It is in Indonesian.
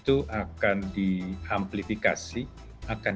tapi jika menurut saya pada harga saya gini